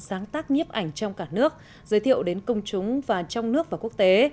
sáng tác nhiếp ảnh trong cả nước giới thiệu đến công chúng và trong nước và quốc tế